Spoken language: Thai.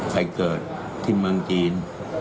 เคยเกิดที่เมืองจีน